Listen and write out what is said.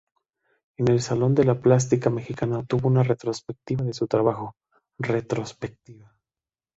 En el Salón de la Plástica Mexicana tuvo una retrospectiva de su trabajo, "Retrospectiva.